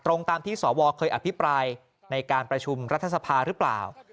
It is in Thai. ตามที่สวเคยอภิปรายในการประชุมรัฐสภาหรือเปล่า